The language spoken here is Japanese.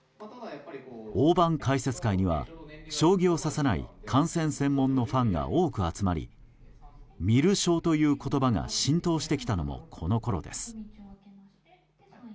大盤解説会には将棋を指さない観戦専門のファンが多く集まり観る将という言葉が浸透してきたのもこのころです。